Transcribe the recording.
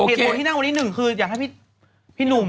เหตุผลที่นั่งวันนี้หนึ่งคืออยากให้พี่หนุ่ม